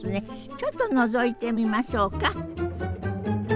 ちょっとのぞいてみましょうか。